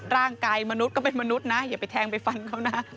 มนุษย์ก็เป็นมนุษย์นะอย่าไปแทงไปฟันเขานะ